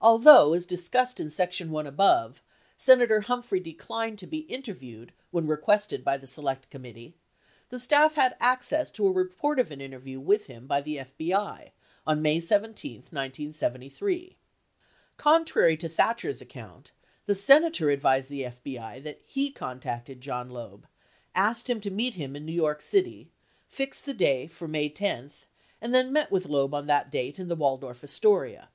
Although, as discussed in Section I above, Senator Humphrey de clined to be interviewed when requested by the Select Committee, 100 the staff had access to a report of an interview with him by the FBI on May 17, 1973. Contrary to Thatcher's account, the Senator advised the FBI that lie contacted John Loeb, asked him to meet him in New York City, fixed the date for May 10, and then met with Loeb on that date in the Waldorf Astoria.